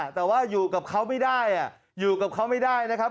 แต่ว่าอยู่กับเขาไม่ได้อยู่กับเขาไม่ได้นะครับ